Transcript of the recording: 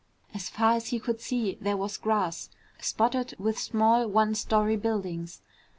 As far as he could see, there was grass, spotted with small one story buildings.